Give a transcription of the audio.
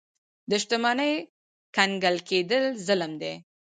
د شتمنۍ کنګل کېدل ظلم دی.